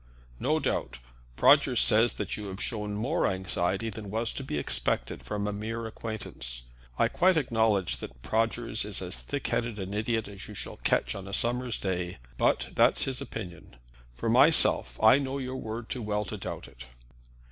"No doubt; Prodgers says that you've shown more anxiety than was to be expected from a mere acquaintance. I quite acknowledge that Prodgers is as thick headed an idiot as you shall catch on a summer's day; but that's his opinion. For myself, I know your word too well to doubt it."